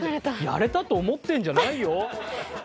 やれたと思ってるんじゃないよ。